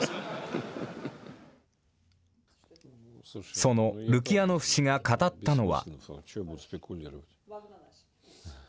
そのルキヤノフ氏が語ったのは。